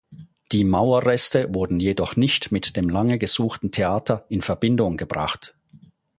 Die Mauerreste wurden jedoch nicht mit dem lange gesuchten Theater in Verbindung gebracht.